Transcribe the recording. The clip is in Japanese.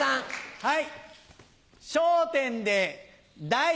はい！